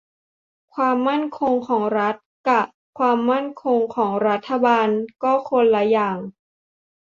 ความมั่นคงของรัฐ กะ ความมั่นคงของรัฐบาล ก็คนละอย่าง